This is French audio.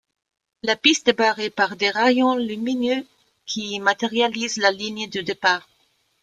La piste est barrée par des rayons lumineux qui matérialisent la ligne de départ.